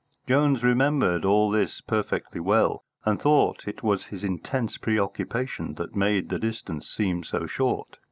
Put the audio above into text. Jones remembered all this perfectly well, and thought it was his intense preoccupation that made the distance seem so short.